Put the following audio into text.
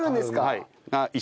はい。